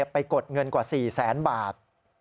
ไปกดเงินกว่า๔๐๐๐๐๐บาท